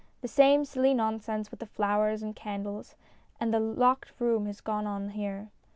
The same silly nonsense with the flowers and candles and the locked room has gone on here.